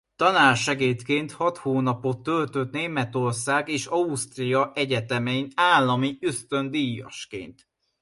Tanársegédként hat hónapot töltött Németország és Ausztria egyetemein állami ösztöndíjasként.